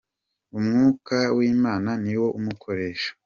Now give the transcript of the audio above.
Umwuka w’Imana niwo umukoresha